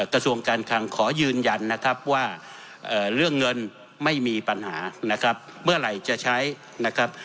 กระทรวงการคลังขอยืนยันนะครับว่าเรื่องเงินไม่มีปัญหานะครับเมื่อไหร่จะใช้นะครับ